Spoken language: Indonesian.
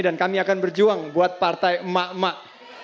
dan kami akan berjuang buat partai emak emak